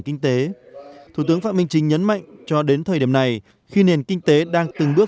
kinh tế thủ tướng phạm minh chính nhấn mạnh cho đến thời điểm này khi nền kinh tế đang từng bước